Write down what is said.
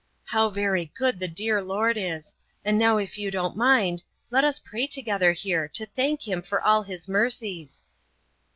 "How very good the dear Lord is! And now if you don't mind, let us pray together here to thank Him for all His mercies."